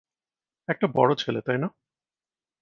একটা বড় ছেলে, তাই না?